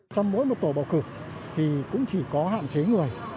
trong mỗi một tổ bầu cử thì cũng chỉ có hạn chế người